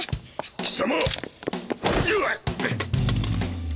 貴様！